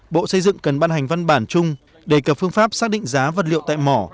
bộ xây dựng cần ban hành văn bản chung đề cập phương pháp xác định giá vật liệu tại mỏ